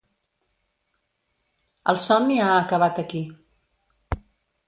El somni ha acabat aquí.